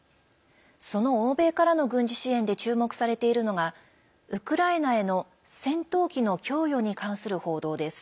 その欧米からの軍事支援で注目されているのがウクライナへの戦闘機の供与に関する報道です。